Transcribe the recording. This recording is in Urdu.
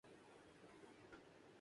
کیا آپ کو مطالعہ کرنا پسند ہے